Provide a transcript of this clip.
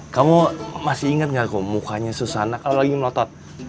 kamu masih ingat gak kok mukanya susana kalau lagi melotot